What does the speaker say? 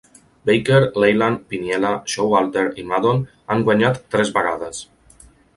Baker, Leyland, Piniella, Showalter i Maddon han guanyat tres vegades.